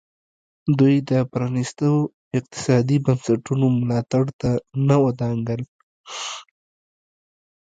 دوی د پرانیستو اقتصادي بنسټونو ملاتړ ته نه ودانګل.